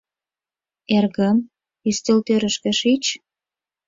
Эргым, ӱстелтӧрышкӧ шич.